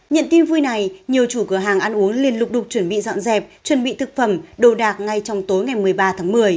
nhận tin vui này nhiều chủ cửa hàng ăn uống liên tục được chuẩn bị dọn dẹp chuẩn bị thực phẩm đồ đạc ngay trong tối ngày một mươi ba tháng một mươi